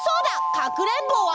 かくれんぼは？